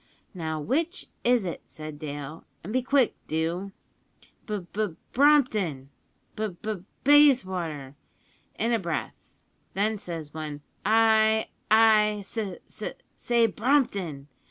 `Now, which is it?' said Dale, `an' be quick do.' "`B B B Brompton!' "`B B B Bayswater!' in a breath; then says one, `I I s s say Brompton!'